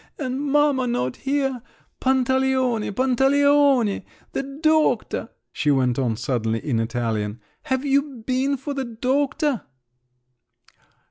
And mamma not here! Pantaleone, Pantaleone, the doctor!" she went on suddenly in Italian. "Have you been for the doctor?"